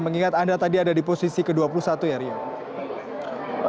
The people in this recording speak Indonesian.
mengingat anda tadi ada di posisi ke dua puluh satu ya rio